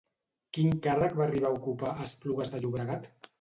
Quin càrrec va arribar a ocupar a Esplugues de Llobregat?